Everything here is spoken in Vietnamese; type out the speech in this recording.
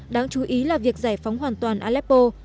đáng chú ý là việc giải phóng hoàn toàn aleppo